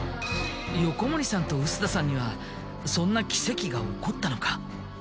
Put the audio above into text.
横森さんと臼田さんにはそんな奇跡が起こったのか？